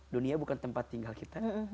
dunia bukan tempat tinggal kita